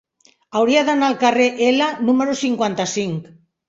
Hauria d'anar al carrer L número cinquanta-cinc.